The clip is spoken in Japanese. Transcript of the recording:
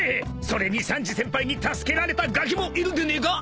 ［それにサンジ先輩に助けられたガキもいるでねえか］